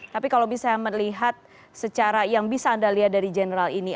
tapi kalau misalnya melihat secara yang bisa anda lihat dari general ini